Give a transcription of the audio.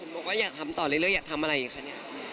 บอกว่าอยากทำต่อเรื่อยอยากทำอะไรคะเนี่ย